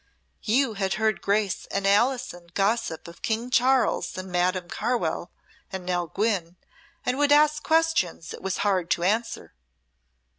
You had heard Grace and Alison gossip of King Charles and Madam Carwell and Nell Gwynne and would ask questions it was hard to answer."